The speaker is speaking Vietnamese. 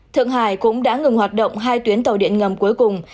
thượng hải cũng đã ngừng hoạt động hai tuyến tàu điện ngầm cuối cùng